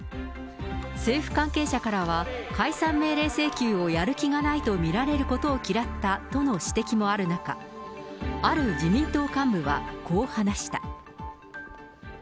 政府関係者からは、解散命令請求をやる気がないと見られることを嫌ったとの指摘もある中、ある自民党幹部はこう話した。